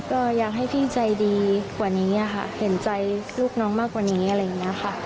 ก็อยากให้พี่ใจดีกว่านี้ค่ะเห็นใจลูกน้องมากกว่านี้อะไรอย่างนี้ค่ะ